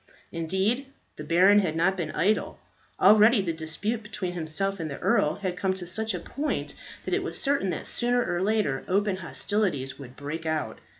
Indeed, the baron had not been idle. Already the dispute between himself and the earl had come to such a point that it was certain that sooner or later open hostilities would break out.